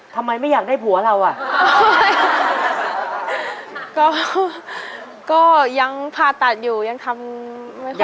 ทำไมไม่อยากได้ผัวเราอ่ะก็ยังผ่าตัดอยู่ยังทำไม่ค่อย